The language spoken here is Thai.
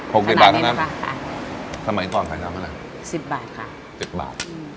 หกสิบบาทเท่านั้นค่ะทำไมก่อนทำเท่านั้นสิบบาทค่ะเจ็บบาทอืม